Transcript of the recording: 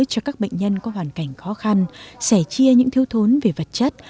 cho các bệnh nhân có hoàn cảnh khó khăn sẻ chia những thiếu thốn về vật chất